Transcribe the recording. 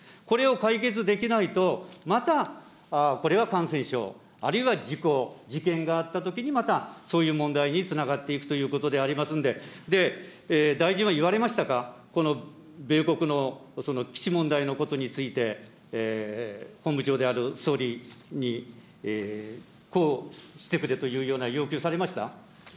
これを解決できないと、またこれは感染症、あるいは事故、事件があったときに、またそういう問題につながっていくということでありますんで、大臣は言われましたか、この米国の基地問題のことについて、本部長である総理に、こうしてくれというような要求されました。